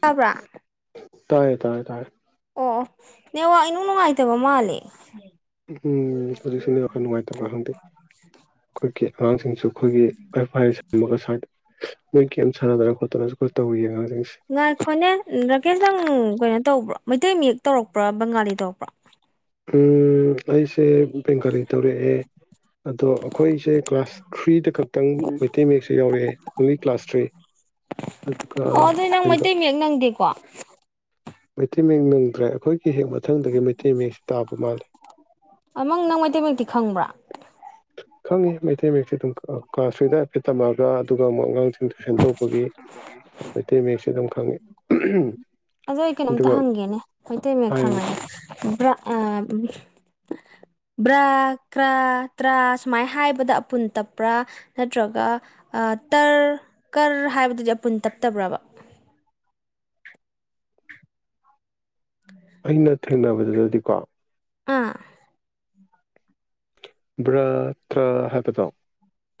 ꯇꯥꯕ꯭ꯔꯥ ꯇꯥꯏꯌꯦ ꯇꯥꯏꯌꯦ ꯇꯥꯏꯌꯦ ꯑꯣ ꯑꯣ ꯅꯦ ꯋꯥ ꯏꯅꯨꯡ ꯅꯨꯡꯉꯥꯏꯇꯕ ꯃꯥꯜꯂꯦ ꯎꯝ ꯍꯧꯖꯤ ꯁꯅꯤ ꯈꯔ ꯅꯨꯡꯉꯥꯏꯇꯕ ꯈꯪꯗꯦ ꯑꯩꯈꯣꯏ ꯥꯡꯁꯤꯡꯁꯨ ꯑꯩꯈꯣꯏꯒꯤ ꯑꯦꯐꯥꯏ ꯁꯦꯝꯃꯒ ꯁ ꯏꯝꯁꯣꯒꯣ ꯌꯥ ꯉꯥꯏꯈꯣꯅꯦ ꯔꯥꯀꯦꯁ ꯅꯪ ꯀꯩꯅꯣ ꯇꯧꯕ꯭ꯔꯣ ꯃꯩꯇꯩ ꯃꯌꯦꯛ ꯇꯧꯔꯛꯄ꯭ꯔꯥ ꯕꯪꯒꯥꯂꯤ ꯇꯧꯔꯛꯄ꯭ꯔꯥ ꯎꯝ ꯑꯩꯁꯨ ꯁꯦ ꯕꯦꯡꯒꯥꯂꯤ ꯇꯧꯔꯛꯑꯦ ꯑꯗꯣ ꯑꯩꯈꯣꯏꯁꯦ ꯀ꯭ꯂꯥꯁ ꯊ꯭ꯔꯤꯗ ꯈꯛꯇꯪ ꯃꯩꯇꯩ ꯃꯌꯦꯛꯁꯦ ꯌꯥꯎꯔꯛꯑꯦ ꯑꯣꯡꯂꯤ ꯀ꯭ꯂꯥꯁ ꯊ꯭ꯔꯤ ꯑꯗꯨꯒ ꯑꯣ ꯑꯗꯨꯏ ꯅꯪ ꯕꯦꯡꯒꯥ ꯃꯩꯇꯩ ꯃꯌꯦꯛ ꯅꯪꯗꯦꯀꯣ ꯃꯩꯇꯩ ꯃꯌꯦꯛ ꯅꯪꯗ꯭ꯔꯦ ꯑꯈꯣꯏꯒꯤ ꯍꯦꯛ ꯃꯊꯪꯗꯒꯤ ꯃꯩꯇꯩ ꯃꯌꯦꯛꯁꯦ ꯇꯥꯕ ꯃꯥꯜꯂꯤ ꯑꯃ ꯅꯪ ꯃꯩꯇꯩ ꯃꯌꯦꯛꯇꯤ ꯈꯪꯕ꯭ꯔꯥ ꯑꯣ ꯀꯥ ꯁꯤꯗ ꯄꯤꯇꯝꯕ꯭ꯔꯥꯗ ꯑꯗꯨꯒ ꯑꯃꯨꯛ ꯑꯉꯥꯡ ꯇꯨꯏꯁꯟ ꯇꯧꯕꯒꯤ ꯃꯩꯇꯩ ꯃꯌꯦꯛꯁꯦ ꯑꯗꯨꯝ ꯈꯪꯉꯤ ꯑꯗꯣ ꯑꯩ ꯀꯩꯅꯣꯝꯇ ꯑꯗꯨꯒ ꯍꯪꯒꯦꯅꯦ ꯃꯩꯇꯩ ꯃꯌꯦꯛ ꯍꯥꯏꯔꯤꯅꯤ ꯈꯪꯉꯗꯤ ꯕ꯭ꯔ ꯀ꯭ꯔꯥ ꯇ꯭ꯔꯥ ꯁꯨꯃꯥꯏꯅ ꯍꯥꯏꯕꯗ ꯑꯄꯨꯟ ꯇꯞꯄ꯭ꯔꯥ ꯅꯠꯇ꯭ꯔꯒ ꯇꯔ ꯀꯔ ꯍꯥꯏꯕꯗꯨꯗꯤ ꯑꯄꯨꯟ ꯇꯞꯇꯕ꯭ꯔꯥꯕ ꯑꯩꯅ ꯊꯦꯡꯅꯕꯗꯗꯤꯀꯣ ꯑꯥ ꯕ꯭ꯔꯥ ꯇ꯭ꯔꯥ ꯍꯥꯏꯕꯗꯣ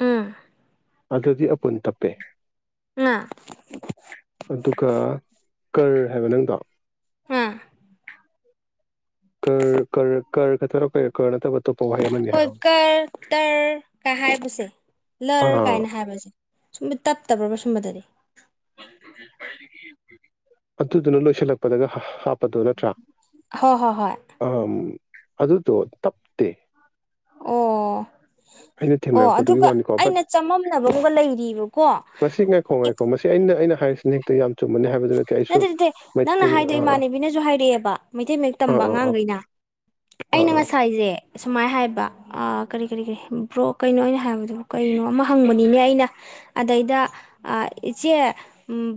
ꯎꯝ ꯑꯗꯨꯗꯤ ꯑꯄꯨꯟ ꯇꯞꯄꯦ ꯉꯥ ꯑꯗꯨꯒ ꯀꯔ ꯍꯥꯏꯕ ꯅꯪꯗꯣ [unintelligible] ꯀꯔ ꯀꯔ ꯀꯔ ꯈꯛꯇꯔꯣ [unintelligible] ꯑꯃꯅꯤ ꯈꯣꯏ ꯍꯥꯏꯔꯣ ꯀꯔ ꯇꯔ ꯀꯥꯏ ꯍꯥꯏꯕꯁꯦ ꯂꯔ ꯑꯥ ꯀꯥꯏꯅ ꯍꯥꯏꯕꯁꯦ ꯁꯨꯝꯕ ꯇꯞꯇꯕ꯭ꯔꯕ꯭ꯔ ꯁꯨꯝꯕꯗꯗꯤ ꯑꯗꯨꯗꯨꯅ ꯂꯣꯏꯁꯤꯜ ꯂꯥꯛꯄꯗꯒ ꯍ ꯍꯥꯞ ꯄꯗꯨ ꯅꯠꯇ꯭ꯔꯥ ꯍꯣꯏ ꯍꯣꯏ ꯍꯣꯏ ꯑ ꯑꯗꯨꯗꯣ ꯇꯞꯇꯦ ꯑꯣ ꯑꯩꯅ ꯑꯣ ꯊꯦꯡꯅꯔꯛꯄꯗꯨꯒꯤ ꯑꯗꯨꯒ ꯋꯥꯅꯤꯀꯣ ꯕꯠ ꯑꯩꯅ ꯆꯃꯝꯅꯕꯒ ꯂꯩꯔꯤꯕꯀꯣ ꯃꯁꯤ ꯉꯥꯏꯈꯣ ꯉꯥꯏꯈꯣ ꯃꯁꯤ ꯑꯩꯅ ꯑꯩꯅ ꯍꯥꯏꯔꯤꯁꯤꯅ ꯍꯦꯛꯇ ꯌꯥꯝ ꯆꯨꯝꯕꯅꯤ ꯍꯥꯏꯕꯗꯨ ꯑꯩꯁꯨ ꯅꯠꯇꯦ ꯅꯠꯇꯦ ꯅꯪꯅ ꯃꯩꯇꯩ ꯍꯥꯏꯗꯣ ꯑꯥ ꯏꯃꯥꯟꯅꯕꯤꯅꯁꯨ ꯍꯥꯏꯔꯛꯑꯦꯕ ꯃꯩꯇꯩ ꯃꯌꯦꯛ ꯑꯥ ꯇꯝꯕ ꯑꯥ ꯑꯥ ꯑꯉꯥꯡꯈꯩꯅ ꯑꯥ ꯑꯩꯅ ꯑꯥ ꯉꯁꯥꯏꯁꯦ ꯁꯨꯃꯥꯏꯅ ꯍꯥꯏꯕ ꯑꯥ ꯀꯔꯤ ꯀꯔꯤ ꯀꯔꯤ ꯕ꯭ꯔꯣ ꯀꯩꯅꯣ ꯑꯩꯅ ꯍꯥꯏꯕꯗꯣ ꯀꯩꯅꯣ ꯑꯃ ꯍꯪꯕꯅꯤꯅꯦ ꯑꯩꯅ ꯑꯗꯩꯗ ꯏꯆꯦ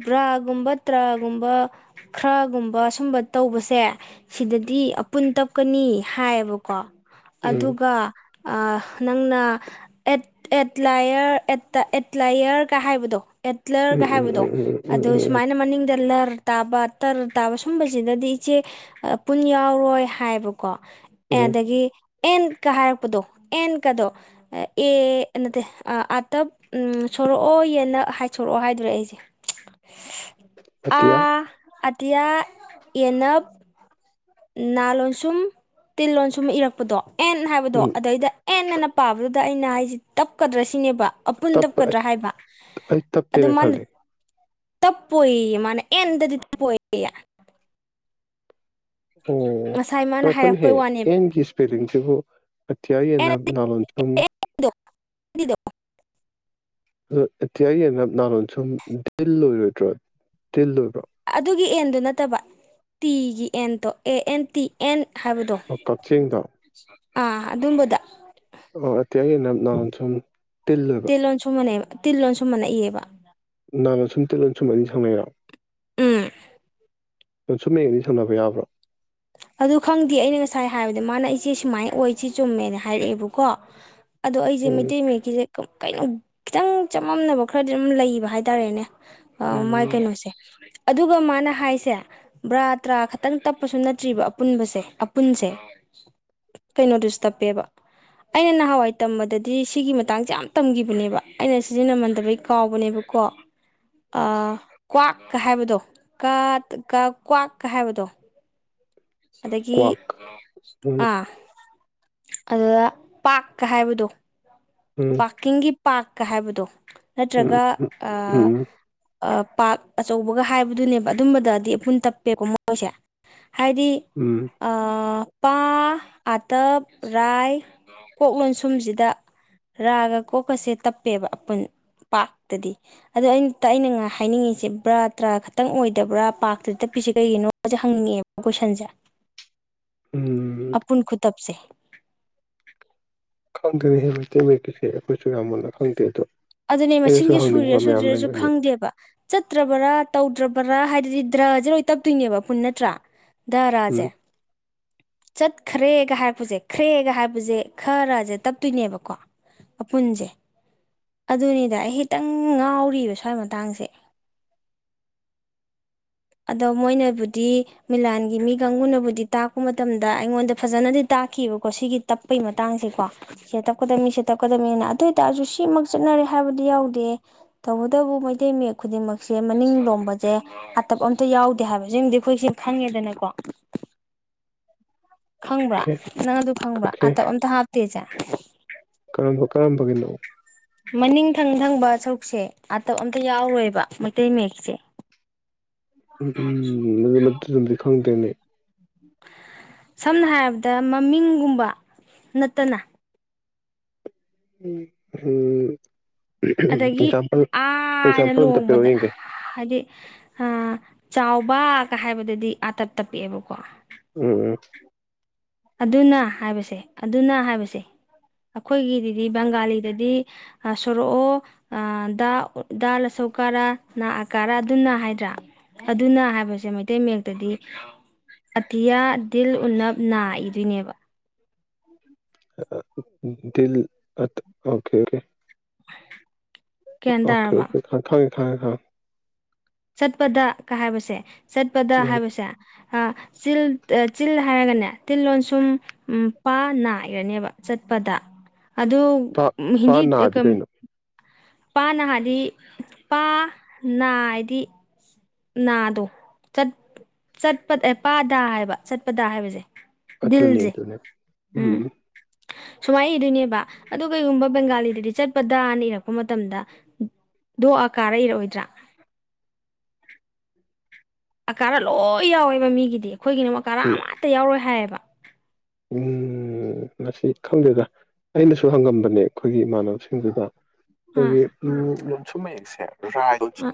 ꯕ꯭ꯔꯥꯒꯨꯝꯕ ꯇ꯭ꯔꯥꯒꯨꯝꯕ ꯈ꯭ꯔꯒꯨꯝꯕ ꯁꯨꯝꯕ ꯇꯧꯕꯁꯦ ꯁꯤꯗꯗꯤ ꯑꯄꯨꯟ ꯇꯞꯀꯅꯤ ꯍꯥꯏꯌꯦꯕꯀꯣ ꯑꯗꯨꯒ ꯑꯥ ꯅꯪꯅ ꯑꯦꯠ ꯑꯦꯠꯂꯥꯏꯌꯔ ꯑꯦꯠꯇ ꯑꯦꯠꯂꯥꯏꯌꯔꯒ ꯍꯥꯏꯕꯗꯣ ꯎꯝ ꯑꯦꯠꯂꯔꯒ ꯎꯝ ꯍꯥꯏꯕꯗꯣ ꯎꯝ ꯎꯝ ꯎꯝ ꯎꯝ ꯑꯗꯣ ꯎꯝ ꯎꯝ ꯁꯨꯃꯥꯏꯅ ꯗ ꯂꯔ ꯇꯥꯕ ꯇꯔ ꯇꯥꯕ ꯁꯨꯝꯕꯁꯤꯅꯗꯤ ꯏꯆꯦ ꯑꯄꯨꯟ ꯌꯥꯎꯔꯣꯏ ꯍꯥꯏꯕ ꯀꯣ ꯎꯝ ꯎꯝ ꯑꯦꯗꯒꯤ ꯑꯦꯟꯀ ꯍꯥꯏꯔꯛꯄꯗꯣ ꯑꯦꯟꯀꯗꯣ ꯑꯦ ꯅꯠꯇꯦ ꯑꯥꯇꯞ ꯎꯝ ꯁꯣꯔꯛꯑꯣ ꯌꯦꯅ ꯍꯥꯏ ꯁꯣꯔꯛꯑꯣ ꯍꯥꯏꯗꯧꯔꯦ ꯑꯩꯁꯦ ꯑꯇꯤꯌꯥ ꯑꯥ ꯑ ꯑꯦꯌꯥ ꯌꯦꯅꯞ ꯅꯥ ꯂꯣꯟꯁꯨꯝ ꯇꯤꯟ ꯂꯣꯟꯁꯨꯝ ꯏꯔꯛꯄꯗꯣ ꯑꯦꯟ ꯍꯥꯏꯕꯗꯣ ꯎꯝ ꯑꯗꯩꯗ ꯑꯦꯟ ꯑꯅ ꯄꯥꯕꯗꯨ ꯑꯗ ꯑꯩꯅ ꯍꯥꯏꯁꯤ ꯇꯞꯀꯗ꯭ꯔ ꯁꯤꯅꯦꯕ ꯑꯄꯨꯟ ꯇꯞꯄ ꯇꯞꯀꯗ꯭ꯔꯥ ꯍꯥꯏꯕ ꯑꯩ ꯑꯣ ꯇꯞꯄꯦꯅ ꯃꯥꯅ ꯈꯜꯂꯦ ꯇꯞꯄ ꯃꯅꯦ ꯑꯦꯗꯗꯤꯇꯄ ꯉꯁꯥꯏ ꯃꯥꯅ ꯑꯣꯈꯣꯟ ꯍꯥꯏꯔꯛꯄꯩ ꯍꯦ ꯋꯥꯅꯦꯕ ꯑꯦꯡꯁ ꯐꯔꯤꯁꯤꯦꯕꯨꯣ ꯑꯇꯤꯏꯅ ꯅꯂ ꯊꯨꯝ ꯅꯨꯗ ꯑꯣ ꯏꯇꯤꯒꯤ ꯅꯍꯣꯟ ꯁꯨꯝ ꯗꯤꯜ ꯑꯣꯏꯔꯣꯏꯗ꯭ꯔꯣ ꯇꯤꯜ ꯑꯣꯏꯕ꯭ꯔꯣ ꯑꯗꯨꯒꯤ ꯑꯗꯨ ꯅꯠꯇꯕ ꯇꯤꯒꯤ ꯑꯦꯟꯇꯣ ꯑꯦ ꯑꯦꯟ ꯇꯤ ꯑꯦꯟ ꯍꯥꯏꯕꯗꯣ ꯑꯣ ꯀꯛꯆꯤꯡꯗ ꯑꯥ ꯑꯗꯨꯕꯗ ꯑꯣ ꯑꯇꯩ ꯑ ꯅ ꯅꯎꯣꯟ ꯁꯨꯝ ꯇꯤꯜꯂꯕ ꯇꯤꯜꯂꯣꯁꯨꯨꯝ ꯃꯅꯛꯏꯑꯕ ꯅꯅꯥꯥꯟꯅ ꯁꯨꯝ ꯇꯤꯂꯣꯟ ꯁꯨꯝ ꯑ ꯁꯪꯅꯩꯔꯛꯑꯣ ꯎꯝ ꯅ ꯁꯨꯝ ꯃ ꯑꯅꯤ ꯁꯪꯅꯕ ꯌꯥꯕ꯭ꯔꯣ ꯑꯗꯨ ꯈꯪꯗꯦ ꯑꯩꯅ ꯉꯥꯏ ꯉꯥꯏ ꯍꯥꯏꯕꯗ ꯃꯥꯅ ꯑꯩꯆꯦ ꯁꯨꯃꯥꯏꯅ ꯑꯣꯏꯁꯤꯦ ꯆꯨꯝꯃꯦꯅ ꯍꯥꯏꯔꯛꯑꯦꯕꯀꯣ ꯑꯗꯣ ꯑꯩꯁꯦ ꯎꯝ ꯃꯩꯇꯩ ꯃꯌꯦꯛꯀꯤꯁꯦ ꯀꯩꯅꯣ ꯈꯤꯇꯪ ꯆꯃꯝꯅꯕ ꯈꯔꯗꯤ ꯑꯗꯨꯝ ꯂꯩꯕ ꯍꯥꯏꯇꯥꯔꯦꯅꯦ ꯑ ꯃꯥꯏ ꯎꯝ ꯀꯩꯅꯣꯁꯦ ꯑꯗꯨꯒ ꯃꯥꯅ ꯍꯥꯏꯁꯦ ꯕ꯭ꯔꯥ ꯇ꯭ꯔꯥ ꯈꯛꯇꯪ ꯇꯞꯄꯁꯨ ꯅꯠꯇꯦ ꯆꯠꯇ꯭ꯔꯤꯕ ꯑꯄꯨꯟꯕꯁꯦ ꯑꯄꯨꯟꯁꯦ ꯀꯩꯅꯣꯗꯨꯁꯨ ꯇꯞꯄꯦꯕ ꯑꯩꯅ ꯅꯍꯥꯟꯋꯥꯏ ꯇꯝꯕꯗꯗꯤ ꯁꯤꯒꯤ ꯃꯇꯥꯡꯁꯦ ꯌꯥꯝ ꯇꯝꯈꯤꯕꯅꯦꯕ ꯑꯩꯅ ꯁꯤꯖꯤꯟꯅꯃꯟꯗꯕꯩ ꯀꯥꯎꯕꯅꯦꯕꯀꯣ ꯀ꯭ꯋꯥꯛꯀ ꯍꯥꯏꯕꯗꯣ ꯀ꯭ꯋꯥꯛꯀ ꯍꯥꯏꯕꯗꯣ ꯑꯗꯒꯤ ꯀ꯭ꯋꯥꯛ ꯎꯝ ꯑꯥ ꯑꯗꯨꯗ ꯄꯥꯥꯛꯔꯀ ꯍꯥꯏꯕꯗꯣ ꯎꯝ ꯄꯥꯀꯤꯡꯒꯤ ꯄꯥꯛꯀ ꯍꯥꯏꯕꯗꯣ ꯎꯝ ꯅꯠꯇ꯭ꯔꯒ ꯑ ꯎꯝ ꯄꯥꯛ ꯑꯆꯧꯕꯒ ꯍꯥꯏꯕꯗꯨꯅꯦꯕ ꯑꯗꯨꯝꯕꯗꯗꯤ ꯑꯄꯨꯟ ꯇꯞꯄꯦꯀꯣ ꯃꯣꯏꯁꯦ ꯍꯥꯏꯗꯤ ꯎꯝ ꯄꯥ ꯑꯇꯞ ꯔꯥꯏ ꯀꯣꯛꯂꯣꯟ ꯁꯨꯝꯁꯤꯗ ꯔꯥꯒ ꯀꯣꯛꯀꯁꯦ ꯇꯞꯄꯦꯕ ꯑꯄꯨꯟ ꯄꯥꯔꯇꯗꯤ ꯑꯗꯣ ꯑ ꯑꯩꯅ ꯉ ꯍꯥꯏꯅꯤꯡꯉꯤꯁꯦ ꯕ꯭ꯔꯥ ꯇ꯭ꯔꯥ ꯈꯛꯇꯪ ꯑꯣꯏꯗꯕ꯭ꯔꯥ ꯄꯥꯛꯇꯗꯤ ꯇꯞꯄꯤꯁꯦ ꯀꯩꯒꯤꯅꯣꯁꯦ ꯍꯪꯅꯤꯡꯉꯛꯑꯦꯕ ꯀꯣꯏꯁꯟꯁꯦ ꯎꯝ ꯑꯄꯨꯟ ꯈꯨꯇꯞꯁꯦ ꯈꯪꯗ꯭ꯔꯦ ꯍꯦ ꯃꯩꯇꯩ ꯃꯌꯦꯛꯀꯤꯁꯦ ꯑꯩꯈꯣꯏꯁꯨ ꯌꯥꯝ ꯃꯨꯟꯅ ꯈꯪꯗꯦ ꯑꯗꯣ ꯑꯗꯨꯅꯦ ꯑꯩꯅꯁꯨ ꯃꯁꯤꯡꯖꯦ ꯍꯪꯅꯤꯡꯕ ꯁꯨꯔꯤꯔꯥ ꯃꯌꯥꯝ ꯁꯨꯗꯔꯤꯔꯁꯨ ꯂꯩꯕꯅꯦ ꯈꯪꯗꯦꯕ ꯆꯠꯇ꯭ꯔꯕꯔꯥ ꯇꯧꯗ꯭ꯔꯕꯔꯥ ꯍꯥꯏꯗꯨꯗꯤ ꯗ꯭ꯔꯖꯦ ꯑꯣꯏ ꯇꯞꯇꯣꯏꯅꯦꯕ ꯄꯨꯟ ꯅꯠꯇ꯭ꯔꯥ ꯎꯝ ꯗꯔꯥꯖꯦ ꯆꯠꯈ꯭ꯔꯦꯒ ꯍꯥꯏꯔꯛꯄꯁꯦ ꯈ꯭ꯔꯦꯒ ꯍꯥꯏꯔꯞꯄꯁꯦ ꯈ ꯔ ꯖꯦ ꯇꯞꯇꯣꯏꯅꯦꯕꯀꯣ ꯑꯄꯨꯟꯖꯦ ꯑꯗꯨꯅꯤꯗ ꯑꯩ ꯍꯤꯇꯪ ꯉꯥꯎꯔꯤꯕ ꯁ꯭ꯋꯥꯏ ꯃꯇꯥꯡꯁꯦ ꯑꯗꯣ ꯃꯣꯏꯅꯕꯨꯗꯤ ꯃꯤꯂꯥꯟꯒꯤ ꯃꯤ ꯀꯥꯡꯕꯨꯅꯕꯨꯗꯤ ꯇꯥꯛꯄ ꯃꯇꯝꯗ ꯑꯩꯉꯣꯟꯗ ꯐꯖꯅꯗꯤ ꯇꯥꯛꯈꯤꯕꯀꯣ ꯁꯤꯒꯤ ꯇꯞꯄꯩ ꯃꯇꯥꯡꯖꯤꯀꯣ ꯁꯤ ꯇꯞꯀꯗꯝꯅꯤ ꯁꯦ ꯇꯞꯀꯗꯝꯅꯤꯅ ꯑꯗꯨꯑꯣꯏ ꯇꯔꯁꯨ ꯁꯤꯃꯛ ꯆꯠꯅꯔꯦ ꯍꯥꯏꯕꯗꯤ ꯌꯥꯎꯗꯦ ꯇꯧꯕꯗꯕꯨ ꯃꯩꯇꯩ ꯃꯌꯦꯛ ꯈꯨꯗꯤꯡꯃꯛꯁꯦ ꯃꯅꯤꯡ ꯂꯣꯝꯕꯖꯦ ꯇꯞ ꯑꯝꯇ ꯌꯥꯎꯗꯦ ꯍꯥꯏꯕꯖꯤꯝꯗꯤ ꯑꯩꯈꯣꯏꯁꯦ ꯈꯪꯉꯦꯗꯅꯀꯣ ꯈꯪꯕ꯭ꯔꯥ ꯑꯣꯀꯦ ꯅꯪ ꯑꯗꯨ ꯈꯪꯕ꯭ꯔꯥ ꯑꯣꯀꯦ ꯑꯥꯇꯞ ꯑꯝꯇ ꯍꯥꯞꯇꯦꯁꯦ [unintelligible] ꯀꯔꯝꯕ ꯀꯔꯝꯕꯒꯤꯅꯣ ꯃꯅꯤꯡ ꯊꯪ ꯊꯪꯕ ꯁꯔꯨꯛꯁꯦ ꯑꯇꯞ ꯑꯝꯇ ꯌꯥꯎꯔꯣꯏꯕ ꯃꯩꯇꯩ ꯃꯌꯦꯛꯁꯦ ꯎꯝ ꯎꯝ ꯑꯗꯨ ꯅꯠꯇ ꯎꯝꯕꯤꯈꯣ ꯐꯪꯗꯦꯅꯦ ꯁꯝꯅ ꯍꯥꯏꯔꯕꯗ ꯃꯃꯤꯡꯒꯨꯝꯕ ꯅꯠꯇꯅ ꯎꯝ ꯎꯝ ꯑꯗꯒꯤ ꯑꯅ ꯑꯝꯇ ꯄꯤꯔꯛꯑꯣ ꯂꯣꯡꯕꯗ ꯌꯦꯡꯒꯦ ꯍꯥꯏꯗꯤ ꯑ ꯆꯥꯎꯕꯒ ꯍꯥꯏꯕꯗꯨꯗꯤ ꯑꯥꯇꯞ ꯇꯞꯄꯛꯑꯦꯕꯀꯣ ꯎꯝ ꯎꯝ ꯑꯗꯨꯅ ꯍꯥꯏꯕꯁꯦ ꯑꯗꯨꯅ ꯍꯥꯏꯕꯁꯦ ꯑꯈꯣꯏꯒꯤꯗꯗꯤ ꯕꯪꯒꯥꯂꯤꯗꯗꯤ ꯑ ꯁꯣꯔꯑꯣ ꯑ ꯗꯥ ꯎ ꯗꯥ ꯂꯆꯧꯀꯥꯔꯥ ꯅꯥꯑ ꯀꯥꯔꯥ ꯑꯗꯨꯅ ꯍꯥꯏꯗ꯭ꯔꯥ ꯑꯗꯨꯅ ꯍꯥꯏꯕꯁꯦ ꯃꯩꯇꯩ ꯃꯌꯦꯛꯇꯗꯤ ꯑꯇꯤꯌꯥ ꯗꯤꯜ ꯎꯅꯞ ꯅꯥꯏ ꯗꯨꯏꯅꯦꯕ ꯑ ꯑ ꯗꯤꯜ ꯑ ꯑꯣꯀꯦ ꯀꯦ ꯑꯥ ꯒ꯭ꯌꯥꯟ ꯑꯣꯀꯦ ꯇꯥꯔꯕ ꯑꯣꯀꯦ ꯊ ꯊꯥꯡ ꯊꯥꯌꯦ ꯍ ꯆꯠꯄꯗ ꯀ ꯍꯥꯕꯁꯦ ꯆꯠꯄꯗ ꯎꯝ ꯍꯥꯏꯕꯁꯦ ꯍ ꯆꯤꯜ ꯆꯤꯜ ꯍꯥꯏꯔꯒꯅꯦ ꯇꯤꯜ ꯂꯣꯟꯁꯨꯝ ꯑꯝ ꯄ ꯅꯥ ꯏꯔꯅꯦꯕ ꯆꯠꯄꯗꯥ ꯑꯗꯨ ꯄꯥ ꯎꯝ ꯄꯥ ꯍꯤꯟꯗꯤ ꯑꯦ ꯅꯥꯗꯤ ꯀꯝ ꯀꯩꯅꯣ ꯄꯥꯅ ꯍꯥꯏꯗꯤ ꯄ ꯅ ꯍꯥꯏꯗꯤ ꯅꯥꯗꯣ ꯆꯠ ꯆꯠ ꯑꯦ ꯄꯥꯗꯥ ꯍꯥꯏꯕ ꯆꯠꯄꯗ ꯍꯥꯏꯕꯁꯦ ꯑꯗꯨꯅꯦ ꯑꯗꯨꯅꯦ ꯎꯝ ꯁꯨꯃꯥꯏ ꯏꯗꯣꯏꯅꯦꯕ ꯑꯗꯨ ꯀꯩꯒꯨꯝꯕ ꯕꯦꯡꯒꯥꯂꯤꯗꯗꯤ ꯆꯠꯄꯗꯥ ꯅ ꯏꯔꯛꯄ ꯃꯇꯝꯗ ꯗꯣ ꯑ ꯀꯥꯔꯥ ꯏꯔꯛꯑꯣꯏꯗ꯭ꯔꯥ ꯑꯀꯥꯔꯥ ꯂꯣꯏ ꯌꯥꯎꯋꯦꯕ ꯃꯤꯒꯤꯗꯤ ꯑꯈꯣꯏꯒꯤꯅꯃ ꯀꯥ ꯎꯝ ꯑꯀꯔꯥ ꯃꯠꯇ ꯌꯥꯎꯔꯣꯏ ꯍꯥꯏꯌꯦꯕ ꯕ ꯎꯝ ꯉꯁꯤ ꯈꯪꯗꯦꯗ ꯑꯩꯅꯁꯨ ꯍꯪꯉꯝꯕꯅꯦ ꯑꯈꯣꯏꯒꯤ ꯏꯃꯥꯟꯅꯕꯁꯤꯡꯗꯨꯗ ꯐꯔꯤ ꯎꯝ ꯎꯋꯥ ꯁꯨꯝ ꯃꯌꯦꯛꯁꯦ ꯑꯝ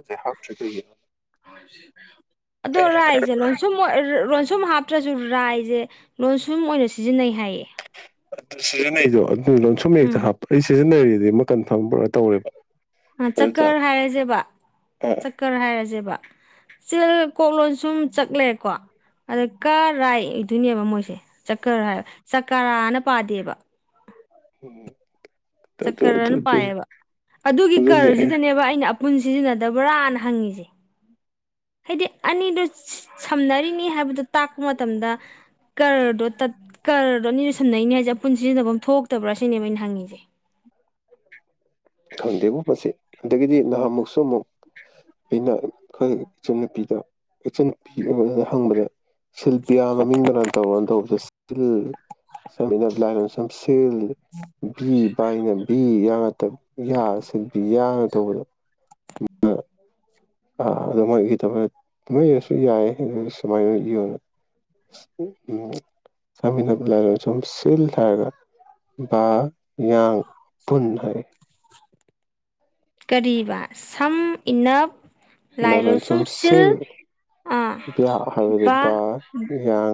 ꯑꯗꯣꯔ ꯔꯥꯏꯖꯦ ꯂꯣꯟꯁꯣꯟ ꯑꯣꯏ ꯔ ꯂꯣꯟꯁꯨꯝ ꯁꯨꯝ ꯍꯥꯞꯇ꯭ꯔꯁꯨ ꯔꯥꯏꯁꯦ ꯂꯣꯟ ꯁꯨꯝ ꯑꯣꯏꯅ ꯁꯤꯖꯤꯟꯅꯩ ꯍꯥꯏꯌꯦ ꯁꯤꯖꯟꯅꯩ ꯂꯣꯟꯁꯨꯝ ꯃ ꯎꯝ ꯌꯦꯛꯇ ꯍꯥꯞꯄ ꯑꯩ ꯁꯤꯖꯤꯟꯅꯔꯤ ꯍꯧꯖꯤꯛ ꯑꯃ ꯀꯟꯐꯥꯔꯝ ꯄꯨꯔꯥ ꯇꯧꯔꯦꯕ ꯑꯗꯨꯗ ꯆꯀꯔ ꯍꯥꯏꯔꯁꯦꯕ ꯑ ꯆꯀꯔ ꯍꯥꯏꯔꯁꯦꯕ ꯆꯤꯜ ꯀꯣꯛ ꯂꯣꯟꯁꯨꯝ ꯆꯠꯂꯦꯀꯣ ꯑꯗ ꯀꯔꯥꯏ ꯏꯗꯨꯣꯏꯅꯦꯕ ꯃꯣꯏꯁꯦ ꯆꯀꯔ ꯍꯥꯏ ꯆꯀꯔꯥꯅ ꯄꯥꯗꯦꯕ [inaudible] ꯑꯗꯨ ꯑꯗꯨ ꯆꯀꯔꯅ ꯑꯗꯨ ꯄꯥꯏꯌꯦꯕ ꯑꯗꯨꯒꯤ ꯑꯗꯨꯅꯤ ꯑꯩ ꯀꯔꯁꯤꯗꯅꯦꯕ ꯑꯩꯅ ꯑꯄꯨꯟ ꯁꯤꯖꯤꯟꯅꯗꯕ꯭ꯔꯥꯅ ꯍꯪꯉꯤꯁꯦ ꯍꯥꯏꯗꯤ ꯑꯅꯤꯗꯣ ꯁꯝꯅꯔꯤꯅꯤ ꯍꯥꯏꯕꯗꯣ ꯇꯥꯛꯄ ꯃꯇꯝꯗ ꯀꯔꯗꯣ ꯀꯔꯗꯣ ꯑꯅꯤꯗꯨꯣ ꯁꯝꯅꯔꯤꯅꯤ ꯍꯥꯏꯁꯦ ꯑꯄꯨꯟ ꯁꯤꯖꯤꯟꯅꯐꯝ ꯑꯃ ꯊꯣꯛꯇꯕ꯭ꯔꯥ ꯁꯤꯅꯦꯕ ꯑꯩꯅ ꯍꯪꯉꯤꯁꯦ ꯈꯪꯗꯦꯕꯣ ꯃꯁꯤ ꯑꯗꯒꯤꯗꯤ ꯅꯍꯥꯟꯃꯨꯛꯁꯨ ꯑꯃꯨꯛ ꯑꯩꯅ ꯈꯪ ꯏꯆꯟꯅꯨꯄꯤꯗ ꯏꯆꯟꯅꯨꯄꯤꯅ ꯍꯪꯕꯗ ꯁꯤꯜꯄꯤꯌꯥ ꯃꯃꯤꯡ ꯕꯅꯥꯟ ꯇꯧꯔꯣꯅ ꯇꯧꯕ [unintelligible] [unintelligible] ꯕꯤ ꯌꯥꯝ ꯑꯥꯇꯞ ꯌꯥ ꯁꯤꯟꯕꯤ ꯌꯥꯅ ꯇꯧꯕꯗꯣ ꯑꯥ ꯑꯗꯨ ꯃꯣꯏ ꯏꯗꯕꯩ ꯑꯃꯥꯏ ꯏꯔꯁꯨ ꯌꯥꯏ ꯑꯗꯨ ꯑꯗꯨꯃꯥꯏꯅ ꯌꯥꯝꯅ ꯎ ꯆꯥꯃꯤꯟꯅꯕ ꯂꯩꯔ ꯁꯨꯝ ꯁꯤꯜ ꯊꯥꯔꯒ ꯌꯥꯡ ꯄꯨꯟ ꯍꯥꯏ ꯀꯔꯤꯕꯥ ꯁꯝ ꯏꯅꯞ ꯂꯥꯏ ꯂꯣꯏꯁꯨꯝ ꯂꯏꯂꯣꯞꯁꯨꯝ ꯁꯤꯜ ꯑꯥ ꯕꯥ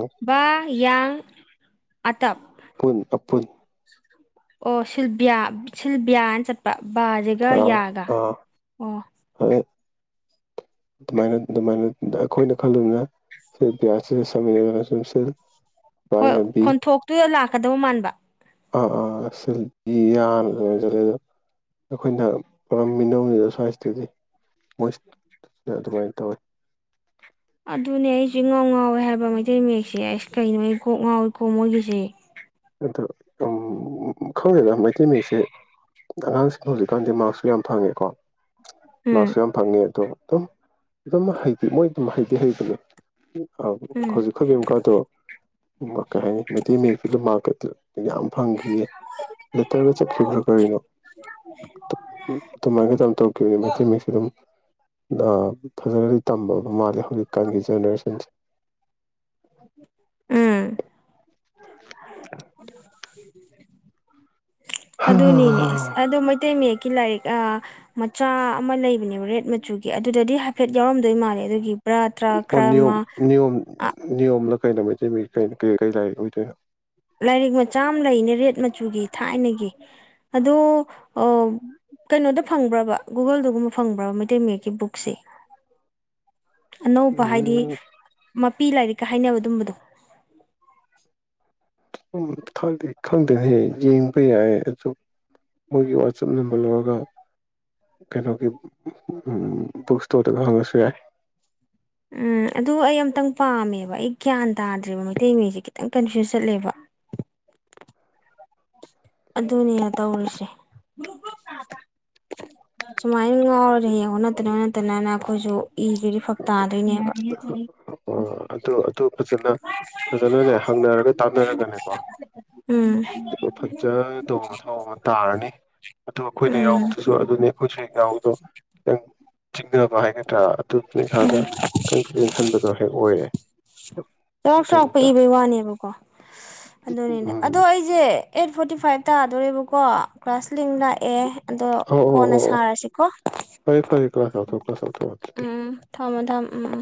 [unintelligible] ꯕꯥ ꯌꯥꯡ ꯑꯥꯇꯞ ꯄꯨꯨꯟ ꯑꯄꯨꯟ ꯑꯣ ꯁꯤꯜꯕꯤꯌꯥ ꯁꯤꯜꯕꯤꯌꯥꯅ ꯆꯠꯄ ꯕꯥꯖꯤꯒ ꯑꯥ ꯌꯥꯒ ꯑꯥ ꯑꯣ ꯑꯗ ꯑꯗꯨꯃꯥꯏꯅ ꯑꯗꯨꯃꯥꯏꯅ ꯑꯈꯣꯏꯅ ꯈꯜꯂꯨꯕꯅ ꯁꯤ ꯄꯤꯌꯥꯁꯤ ꯁꯝ ꯏꯅꯞ [unintelligible] ꯍꯣꯏ ꯈꯣꯟꯊꯣꯛꯇꯨꯗ ꯂꯥꯛꯀꯗꯧ ꯃꯥꯟꯕ ꯑꯥ ꯑꯥ ꯁꯤꯗꯤ ꯌꯥꯅ ꯑꯗꯨꯃꯥꯏꯅ ꯆꯠꯂ ꯑꯗꯣ ꯑꯩꯈꯣꯏꯅ ꯄꯨꯔꯝꯃꯤꯅꯅꯤꯗ ꯁ꯭ꯋꯥꯏꯁꯇꯗꯤ ꯃꯣꯏ ꯑꯗꯨꯃꯥꯏꯅ ꯇꯧꯋꯤ ꯑꯗꯨꯅꯦ ꯑꯩꯁꯨ ꯏꯉꯥꯎ ꯉꯥꯎꯋꯦ ꯍꯥꯏꯕ ꯃꯩꯇꯩ ꯃꯌꯦꯛꯁꯦ ꯑꯁ ꯀꯩꯅꯣ ꯑꯩ ꯀꯣꯛ ꯉꯥꯎꯏꯤ ꯀꯣꯛ ꯃꯣꯏꯒꯤꯁꯦ ꯑꯗꯣ ꯈꯪꯗꯦꯅ ꯃꯩꯇꯩ ꯃꯌꯦꯛꯁꯦ ꯑꯉꯥꯡꯁꯤꯡ ꯍꯧꯖꯤꯛꯀꯥꯟꯗꯤ ꯃꯥꯔꯛꯁꯨ ꯌꯥꯝ ꯐꯪꯉꯦꯀꯣ ꯎꯝ ꯃꯥꯔꯛꯁꯨ ꯌꯥꯝ ꯐꯪꯉꯦ ꯑꯗꯣ ꯍꯥꯇꯦ ꯃꯣꯏ ꯑꯗꯨꯝ ꯍꯥꯏꯗꯤ ꯍꯩꯕꯅꯦ ꯑ ꯎꯝ ꯍꯧꯖꯤꯛꯈꯕꯤ ꯑꯃꯨꯛꯀꯗꯣ ꯑꯣ ꯀꯩ ꯍꯥꯏꯅꯤ ꯃꯩꯇꯩ ꯃꯌꯦꯛ ꯀꯤꯗꯨꯃꯥꯛ꯫ ꯗꯨ꯫ ꯌꯥꯝ ꯐꯪꯈꯤꯌꯦ ꯂꯦꯇꯔꯒ ꯆꯠꯈꯤꯕ꯭ꯔꯥ ꯀꯔꯤꯅꯣ ꯑꯗꯨꯃꯥꯏꯅ ꯑꯗꯨꯝ ꯇꯧꯈꯤꯝꯅꯤ ꯃꯩꯇꯩ ꯃꯌ‌ꯦꯛ ꯫ ꯗꯨꯝ ꯗꯤ ꯊꯖꯒꯔꯤ꯫ ꯇꯝꯕ ꯃꯥꯜꯂꯤ ꯍꯧꯖꯤꯛꯀꯥꯟꯒꯤ ꯖꯦꯅꯦꯔꯦꯁꯟꯁꯤ꯫ ꯎꯝ꯫ ꯫ ꯑꯗꯨꯅꯤꯅꯦ ꯑꯁ ꯑꯗ ꯃꯩꯇꯩ ꯃꯌꯦꯛ ꯫ ꯀꯤ ꯂꯥꯏꯔꯤꯛ ꯑꯥ‌ ꯃꯆꯥ꯫ ꯑꯃ ꯂꯩꯕꯅꯦꯕ ꯔꯦꯠ ꯃꯆꯨꯒꯤ꯫ ꯑꯗꯨꯗꯗꯤ ꯍꯥꯏꯐꯦꯠ ꯌꯥꯎꯔꯝꯗꯣꯏ ꯃꯥꯜꯂꯦ ꯑꯗꯨꯒꯤ꯫ ꯕ꯭ꯔꯥ ꯇ꯭ꯔꯥ ꯑꯣ ꯈꯔ ꯅꯤꯌꯝ ꯑꯃ ꯅꯤꯌꯝ ꯑꯥ ꯅꯤꯌꯝ ꯂ꯫ ꯀꯩꯩꯅꫭ ꯃꯩꯇꯩ ꯃꯌꯦꯛ ꯀꯩꯅꫭ ꯀ ꯀꯩ ꯂꯩꯥꯏꯔꯤꯛ ꯑꯣꯏꯗꫭꯏꯅꫭ꯫ ꯂꯥꯏꯔꯤꯛ ꯃꯆꯥ ꯑꯃ ꯂꯩꯅꯦ ꯔꯦꯠ ꯃꯆꯨꯒꯤ ꯊꯥꯏꯅꯒꯤ ꯑꯗꯣ ꯑꯥ ꯀꯩꯅꯣꯗ ꯐꯪꯕ꯭ꯔꯕ ꯒꯨꯒꯜꯗꯨꯒꯨꯝꯕ ꯐꯪꯕ꯭ꯔꯕ ꯃꯩꯇꯩ ꯃꯌꯦꯛꯀꯤ ꯕꯨꯛꯁꯦ꯫ ꯑꯅꯧꯕ ꯍꯥꯏꯗꯤ꯫ ꯄꯤ ꯂꯥꯏꯔꯤꯛꯀ ꯍꯥꯏꯅꯕ ꯑꯗꯨꯝꯕꯗꯣ꯫ ꯎꯝ ꯈꯪꯗ‌ꯦ ꯈꯪꯗ‌ꯦꯟꯍ‌ꯦ ꯌꯦꯡꯕ ꯌꯥꯏ ꯑꯗꯨ ꯃꯣꯏꯒꯤ ꯋꯥꯆꯞ ꯅꯝꯕꯔ ꯂꯧꯔꯒ ꯀꯩꯅꯣꯒꯤ ꯕꯨꯛꯁ꯫ ꯎꯝ ꯑꯗꯨ ꯑꯩ ꯑꯝ꯫ ꯇꯪ ꯄꯥꯝꯃꯦꯕ ꯑꯩ ꯒ꯭ꯌꯥꯟ ꯇꯥꯗ꯭ꯦꯔꯤꯕ ꯃꯩꯇꯩ ꯃꯌꯦꯛꯁꯦ ꯈꯤꯇꯪ ꯀꯟꯐ꯭ꯌꯨꯁ ꯆꯠꯂꯦꯕ꯫ ꯑꯗꯨꯅꯤꯅ‌ꯦ ꯇꯧꯔꯤꯁꯦ꯫ ꯁꯨꯃꯥꯏꯟ ꯉꯥꯎꯔꯦꯗꯤ ꯍꯌ‌ꯦꯡ ꯑꯣꯟꯅ ꯇꯩꯅꯅ ꯑꯩꯈꯣꯏꯁꯨ꯫ ꯏꯒꯔꯗꯤ ꯐꯛ ꯇꯥꯗꯣꯏꯅꯦꯕ ꯑꯣ ꯑꯗꯨ ꯑꯗꯨ ꯐꯖꯅ ꯐꯖꯅꯅꯦ ꯍꯪꯅꯔꯒ ꯇꯥꯟꯅꯔꯒꯅꯦꯀꯣ ꯎꯝ꯫ ꯃꯗꯨꯗꯨꯒ ꯐꯖꯗꯧꯕ ꯃꯊꯧ ꯑꯃ ꯇꯥꯔꯅꯤ ꯑꯗꯨ ꯑꯈꯣꯏꯅ ꯎꯝ ꯌꯥꯎꯕꯗꯨꯁꯨ ꯑꯗꯨꯅꯤ ꯑꯈꯣꯏꯁꯨ ꯍꯦꯛ ꯉꯥꯎꯏ꯫ ꯫ ꯆꯤꯡꯅꯕ ꯍꯥꯏꯒꯗ꯭ꯔꯥ꯫ [unintelligible] ꯍꯦꯛ ꯑꯣꯏꯌ‌ꯦ꯫ ꯆꯥꯎꯔꯥꯛ ꯆꯥꯎꯔꯥꯛꯄ ꯏꯕꯒꯤ ꯋꯥꯅꯦꯕꯀꯣ ꯑꯗꯨꯅꯦꯗ ꯎꯝ ꯑꯗꯣ ꯑꯩꯖ‌ꯦ꯫ ꯑꯦꯠ ꯐꯣꯔꯇꯤ ꯐꯥꯏꯚ ꯇꯥꯗꯣꯔꯦꯕꯀꯣ ꯀ꯭ꯂꯥꯁ ꯂꯤꯡ ꯂꯥꯛꯑꯦ꯫ ꯑꯗꯣ ꯑꯣ ꯑꯣ ꯀꯣꯟꯅ ꯑꯣ ꯑꯣ ꯁꯥꯔꯁꯤꯀꯣ꯫ ꯫ ꯎꯝ ꯊꯝꯃꯣ ꯊꯝꯊꫭ ꯎꯝ ꯎꯝ꯫